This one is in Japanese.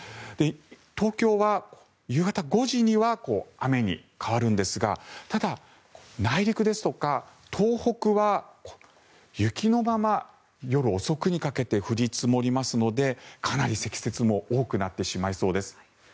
東京は夕方５時には雨に変わるんですがただ、内陸ですとか東北は雪のまま夜遅くにかけて降り積もりますのでかなり積雪も多くなってしまいそうです。